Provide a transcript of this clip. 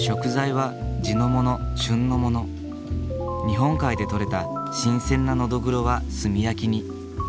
日本海で取れた新鮮なノドグロは炭焼きに。